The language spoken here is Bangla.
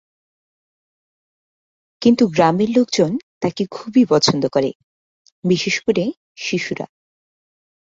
কিন্তু গ্রামের লোকজন তাকে খুবই পছন্দ করে, বিশেষ করে শিশুরা।